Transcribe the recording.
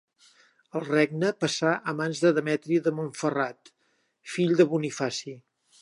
El regne passà a mans de Demetri de Montferrat, fill de Bonifaci.